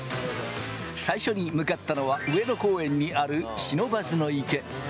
最初に向かったのは上野公園にある不忍池。